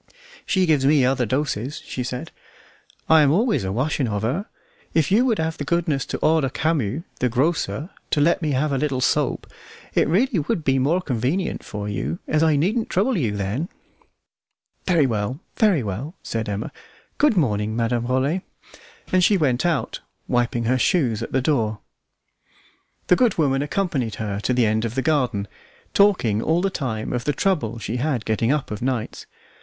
"She gives me other doses," she said: "I am always a washing of her. If you would have the goodness to order Camus, the grocer, to let me have a little soap, it would really be more convenient for you, as I needn't trouble you then." "Very well! very well!" said Emma. "Good morning, Madame Rollet," and she went out, wiping her shoes at the door. The good woman accompanied her to the end of the garden, talking all the time of the trouble she had getting up of nights.